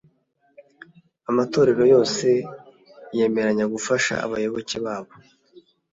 amatorero yose yemeranya gufasha abayoboke babo